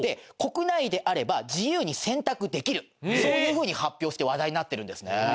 国内であれば自由に選択できるそういう風に発表して話題になってるんですね。